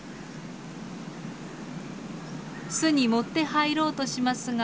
巣に持って入ろうとしますが。